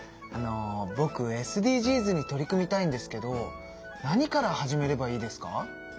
あのぼくＳＤＧｓに取り組みたいんですけど何から始めればいいですか？